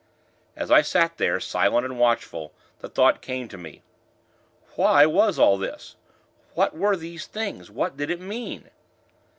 As I sat there, silent and watchful, the thought came to me Why was all this? What were these Things? What did it mean?